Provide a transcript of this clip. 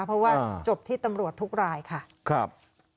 เพราะว่าจบที่ตำรวจทุกรายค่ะครับ